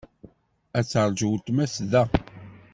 Ad teṛju weltma-s da.